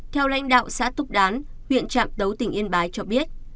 theo lãnh đạo xã túc đán huyện trạm tấu tỉnh yên bái cho biết